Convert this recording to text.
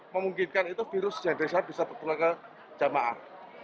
memungkinkan itu virus yang dari sana bisa bertular ke jamaah